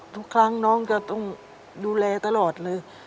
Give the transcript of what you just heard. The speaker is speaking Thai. ทุกครั้งน้องจะต้องดูแลตลอดเลย